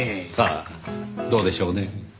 さあどうでしょうね。